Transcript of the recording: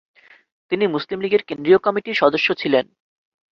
তিনি মুসলিম লীগের কেন্দ্রীয় কমিটির সদস্য ছিলেন।